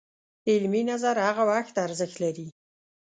علمي نظر هغه وخت ارزښت لري